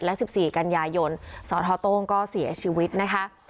และ๑๔กันยายนสทโต้งก็เสียชีวิตนะคะ